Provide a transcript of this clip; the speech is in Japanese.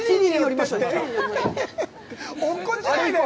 落っこちないでよ。